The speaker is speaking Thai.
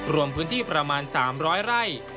รวมพื้นที่ประมาณ๓๐๐ไร่